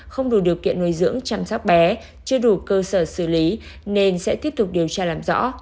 không đủ điều kiện nuôi dưỡng chăm sóc bé chưa đủ cơ sở xử lý nên sẽ tiếp tục điều tra làm rõ